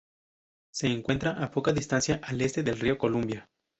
Se encuentra a poca distancia al este del río Columbia.